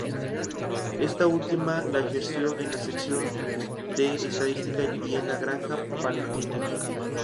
Esta última la ejerció en la Sección de Estadística y en la Granja Palentina.